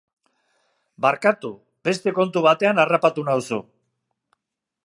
Barkatu, beste kontu batean harrapatu nauzu.